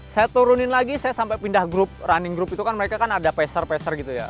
saya turunin lagi saya sampai pindah grup running group itu kan mereka kan ada pace nya